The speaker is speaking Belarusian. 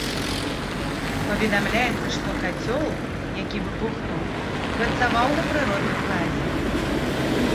Паведамляецца, што кацёл, які выбухнуў, працаваў на прыродным газе.